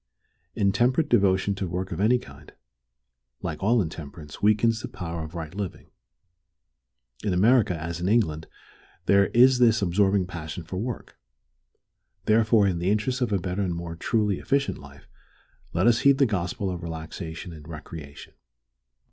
Intemperate devotion to work of any kind, like all intemperance, weakens the power of right living. In America, as in England, there is this absorbing passion for work. Therefore, in the interest of a better and more truly efficient life, let us heed the gospel of relaxation and recreation.